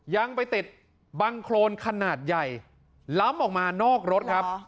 ยังไปติดบังโครนขนาดใหญ่ล้ำออกมานอกรถครับ